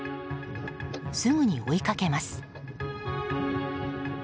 すぐに追いかけます。